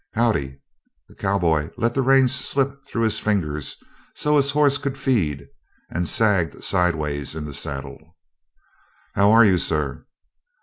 "Howdy!" The cowboy let the reins slip through his fingers so his horse could feed, and sagged sidewise in the saddle. "How are you, sir?"